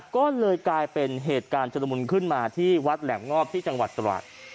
ก็เลยกลายเป็นเหตุการณ์ชุดละมุนขึ้นมาที่วัดแหลมงอบที่จังหวัดตราด